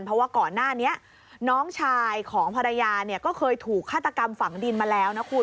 เพราะว่าก่อนหน้านี้น้องชายของภรรยาเนี่ยก็เคยถูกฆาตกรรมฝังดินมาแล้วนะคุณ